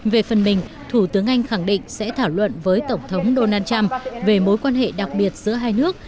về phần mình thủ tướng anh khẳng định sẽ thảo luận với tổng thống donald trump về mối quan hệ đặc biệt giữa hai nước